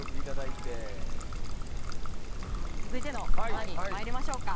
続いての穴に参りましょうか。